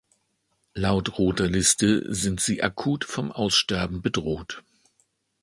Laut Roter Liste sind sie akut vom Aussterben bedroht.